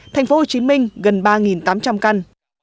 tp hcm gần ba tám trăm linh căn